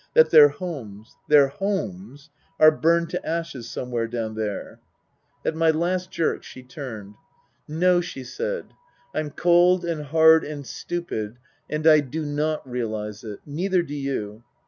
" That their homes their homes are burned to ashes somewhere down there ?" Book III : His Book 291 At my last jerk she turned. "No," she said. "I'm cold and hard and stupid, and I do not realize it. Neither do you.